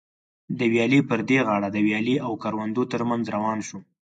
د ویالې پر دې غاړه د ویالې او کروندو تر منځ روان شوم.